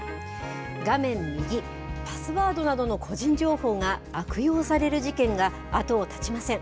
画面右、パスワードなどの個人情報が悪用される事件が後を絶ちません。